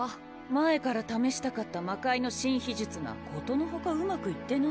前から試したかった魔界の新秘術がことのほかうまくいってな。